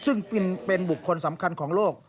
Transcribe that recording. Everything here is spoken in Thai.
ซึ่งเป็นบุคคลสำคัญของโลก